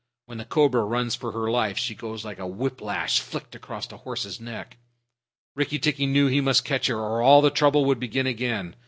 When the cobra runs for her life, she goes like a whip lash flicked across a horse's neck. Rikki tikki knew that he must catch her, or all the trouble would begin again.